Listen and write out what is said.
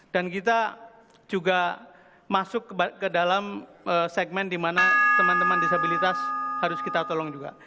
dan kita juga masuk ke dalam segmen di mana teman teman disabilitas harus kita tolong juga